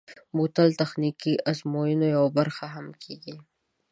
بوتل د تخنیکي ازموینو یوه برخه هم کېږي.